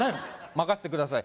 任せてください